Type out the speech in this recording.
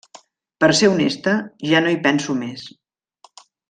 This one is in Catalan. Per ser honesta, ja no hi penso més.